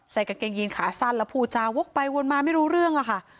กางเกงยีนขาสั้นแล้วพูดจาวกไปวนมาไม่รู้เรื่องอะค่ะ